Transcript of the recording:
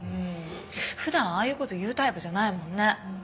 普段ああいう事言うタイプじゃないもんね。